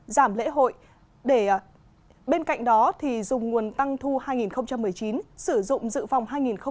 giảm lễ hội bên cạnh đó dùng nguồn tăng thu hai nghìn một mươi chín sử dụng dự phòng hai nghìn hai mươi